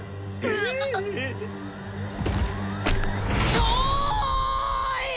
ちょい！